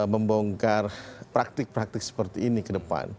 membongkar praktik praktik seperti ini ke depan